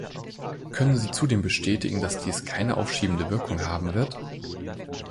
Können Sie zudem bestätigen, dass dies keine aufschiebende Wirkung haben wird?